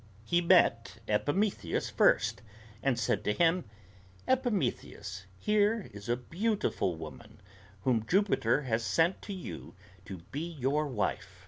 He met Epimetheus first, and said to him: "Epimetheus, here is a beautiful woman, whom Jupiter has sent to you to be your wife."